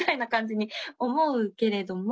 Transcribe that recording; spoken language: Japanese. に思うけれども。